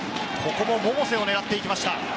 ここも百瀬を狙っていきました。